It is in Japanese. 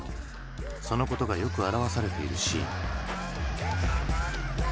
そのことがよく表されているシーン。